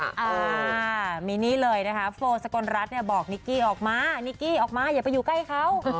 อ่ามีนี่เลยนะคะโฟสกลรัฐเนี่ยบอกนิกกี้ออกมานิกกี้ออกมาอย่าไปอยู่ใกล้เขา